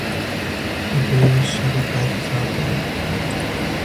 The various sacrifices are holy.